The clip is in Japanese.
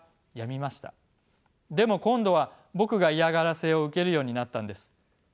でも今度は僕が嫌がらせを受けるようになったんです。